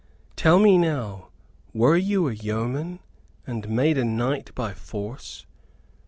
Tell me now, were you a yeoman and made a knight by force?